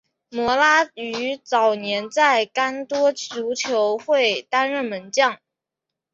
摩拉于早年在干多足球会担任门将。